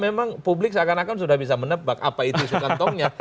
memang publik seakan akan sudah bisa menebak apa itu isu kantongnya